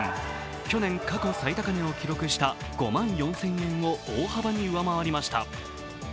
去年、過去最高値を記録した５万４０００円を大幅に上回りました。